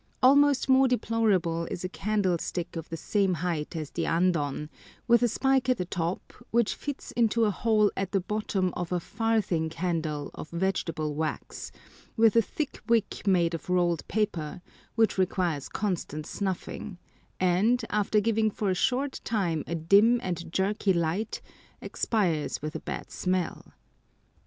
Almost more deplorable is a candlestick of the same height as the andon, with a spike at the top which fits into a hole at the bottom of a "farthing candle" of vegetable wax, with a thick wick made of rolled paper, which requires constant snuffing, and, after giving for a short time a dim and jerky light, expires with a bad smell.